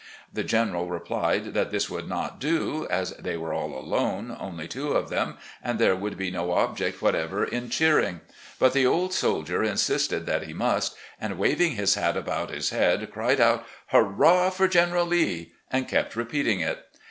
The General replied that this would not do, as they were all alone, only two of them, and there woidd be no object whatever in cheering. But the old soldier insisted that he must, and, waving his hat about his head, cried out: " Hurrah for General Lee !" and kept repeating it.